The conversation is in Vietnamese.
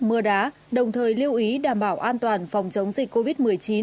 mưa đá đồng thời lưu ý đảm bảo an toàn phòng chống dịch covid một mươi chín